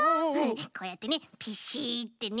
こうやってねピシッてね。